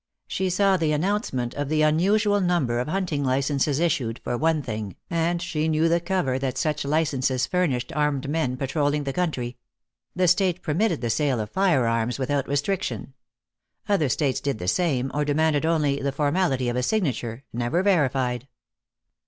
She saw the announcement of the unusual number of hunting licenses issued, for one thing, and she knew the cover that such licenses furnished armed men patrolling the country. The state permitted the sale of fire arms without restriction. Other states did the same, or demanded only the formality of a signature, never verified.